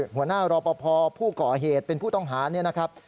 หัวหน้ารอปภผู้ก่อเหตุเป็นผู้ต้องหาเนี่ยนะครับ